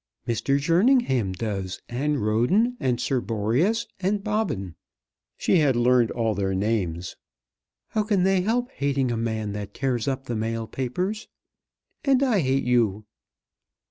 "Mr. Jerningham does, and Roden, and Sir Boreas, and Bobbin." She had learned all their names. "How can they help hating a man that tears up the mail papers! And I hate you."